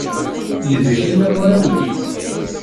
Yid-k i llan warraw-ik?